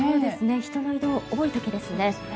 人の移動多い時ですね。